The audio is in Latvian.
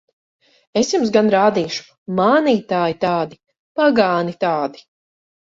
Es jums gan rādīšu! Mānītāji tādi! Pagāni tādi!